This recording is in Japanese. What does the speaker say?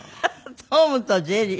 トムとジェリー。